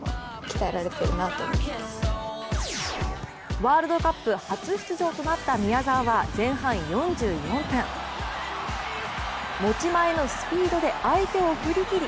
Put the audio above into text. ワールドカップ初出場となった宮澤は前半４４分、持ち前のスピードで相手を振り切り